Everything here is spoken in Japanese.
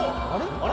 あれ？